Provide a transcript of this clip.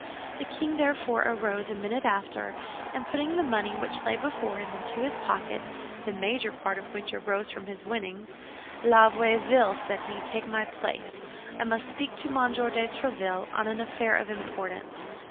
The king therefore arose a minute after, and putting the money which lay before him into his pocket, the major part of which arose from his winnings, "La Vieuville," said he, "take my place; I must speak to Monsieur de Tréville on an affair of importance.